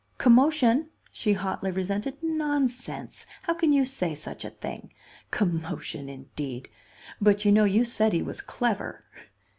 "Commotion!" she hotly resented. "Nonsense! How can you say such a thing? Commotion, indeed! But, you know, you said he was clever."